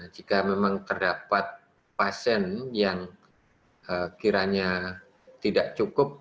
jika memang terdapat pasien yang kiranya tidak cukup